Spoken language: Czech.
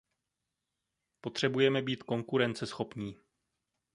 Potřebujeme být konkurenceschopní.